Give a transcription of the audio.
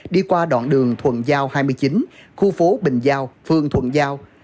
đi qua đoạn đường thuận giao hai mươi chín khu phố bình giao phương thuận giao